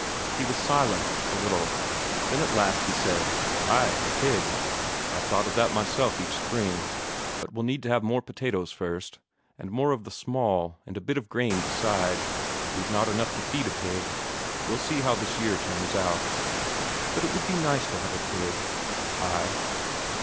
He was silent a little, then at last he said: "Ay, a pig. I've thought of that myself each spring. But we'll need to have more potatoes first, and more of the small, and a bit of corn beside; we've not enough to feed a pig. We'll see how this year turns out." "But it would be nice to have a pig." "Ay."